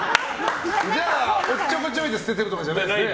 おっちょこちょいで捨ててるとかじゃないんですね。